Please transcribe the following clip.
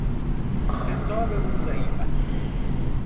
حساب او ضعیف است.